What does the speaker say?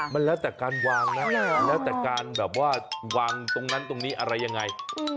มันแล้วแต่การวางนะแล้วแต่การแบบว่าวางตรงนั้นตรงนี้อะไรยังไง